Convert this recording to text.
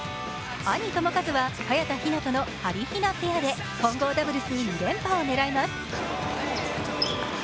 兄・智和は早田ひなとのはりひなペアで混合ダブルス２連覇を狙います。